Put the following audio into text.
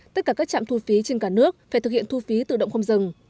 tất cả các trạm thu phí trên cả nước phải thực hiện thu phí tự động không dừng